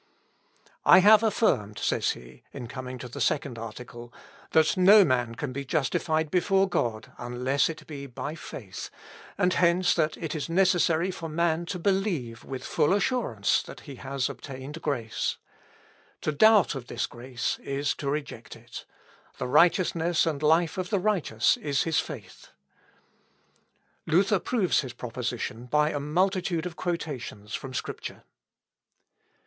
"I have affirmed," says he, in coming to the second article, "that no man can be justified before God unless it be by faith, and hence that it is necessary for man to believe with full assurance that he has obtained grace. To doubt of this grace is to reject it. The righteousness and life of the righteous is his faith." "Justitia justi et vita ejus, est fides ejus." (Luth. Op. Lat. i, p. 211.) Luther proves his proposition by a multitude of quotations from Scripture.